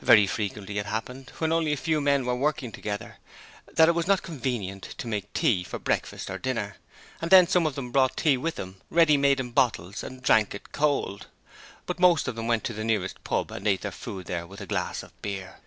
Very frequently it happened, when only a few men were working together, that it was not convenient to make tea for breakfast or dinner, and then some of them brought tea with them ready made in bottles and drank it cold; but most of them went to the nearest pub and ate their food there with a glass of beer.